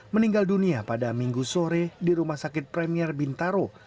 meninggal dunia pada minggu sore di rumah sakit premier bintaro